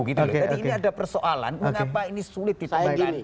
jadi ini ada persoalan mengapa ini sulit ditemukan